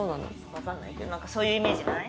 わかんないけどなんかそういうイメージない？